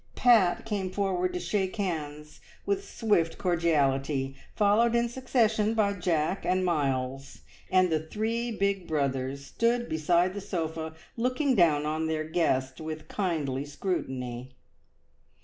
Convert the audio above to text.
"Pat" came forward to shake hands with swift cordiality, followed in succession by Jack and Miles, and the three big brothers stood beside the sofa, looking down on their guest with kindly scrutiny.